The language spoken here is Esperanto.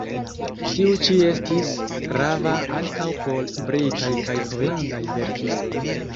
Tiu ĉi estis grava ankaŭ por britaj kaj holandaj verkistoj.